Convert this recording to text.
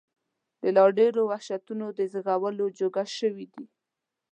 د لا ډېرو وحشتونو د زېږولو جوګه شوي دي.